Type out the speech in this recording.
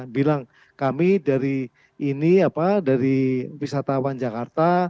bilang kami dari wisatawan jakarta